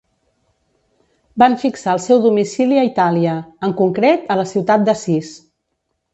Van fixar el seu domicili a Itàlia, en concret a la ciutat d'Assís.